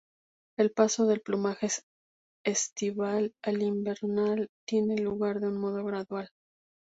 El paso del plumaje estival al invernal tiene lugar de un modo gradual.